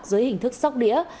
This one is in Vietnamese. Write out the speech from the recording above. dưới hình thức sóc đĩa